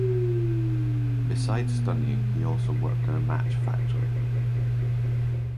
Besides studying, he also worked in a match factory.